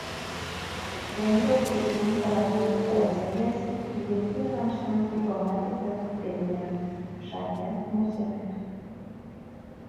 Yangi O‘zbekiston taraqqiyot strategiyasi yetti yo‘nalishdan iborat etib belgilandi- Shavkat Mirziyoyev